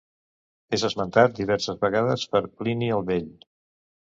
És esmentat diverses vegades per Plini el Vell.